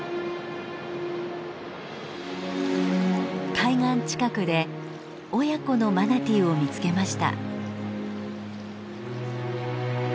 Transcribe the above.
海岸近くで親子のマナティーを見つけました。